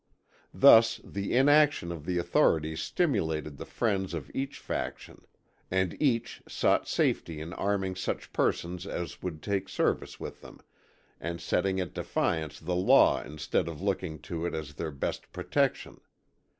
Thus the inaction of the authorities stimulated the friends of each faction, and each sought safety in arming such persons as would take service with them, and setting at defiance the law instead of looking to it as their best protection.